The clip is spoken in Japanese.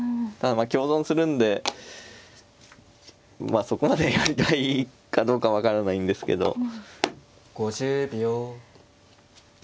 ただまあ香損するんでまあそこまでやりたいかどうか分からないんですけど。